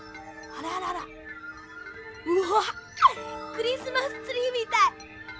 クリスマスツリーみたい！